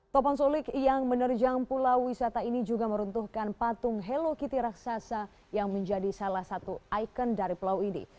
topan solik yang menerjang pulau wisata ini juga meruntuhkan patung hello kity raksasa yang menjadi salah satu ikon dari pulau ini